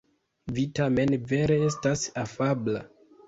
Vi tamen vere estas afabla.